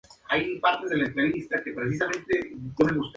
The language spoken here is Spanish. El alcalde es Gilles Plante.